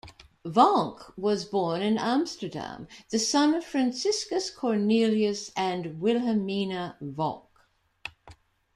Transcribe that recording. Vonk was born in Amsterdam, the son of Franciscus Cornelis and Wilhemina Vonk.